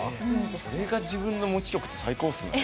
それが自分の持ち曲って最高っすね。